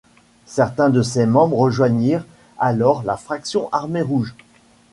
Certains de ses membres rejoignirent alors la Fraction armée rouge.